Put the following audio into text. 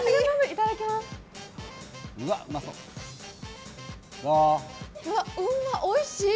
うわ、おいしい。